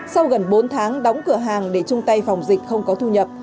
sau gần bốn tháng đóng cửa hàng để chung tay phòng dịch không có thu nhập